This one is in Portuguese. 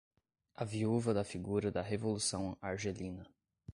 a viúva da figura da revolução argelina